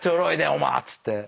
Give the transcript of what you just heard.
「おま」っつってね。